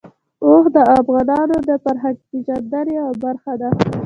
اوښ د افغانانو د فرهنګي پیژندنې یوه برخه ده.